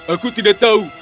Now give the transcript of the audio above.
aku tidak tahu